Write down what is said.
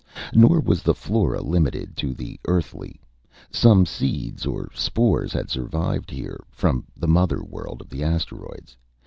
Nor was the flora limited to the Earthly. Some seeds or spores had survived, here, from the mother world of the asteroids.